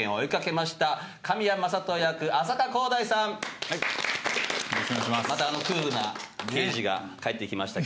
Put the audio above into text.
またあのクールな刑事が帰って来ましたけど。